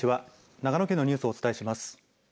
長野県のニュースをお伝えします。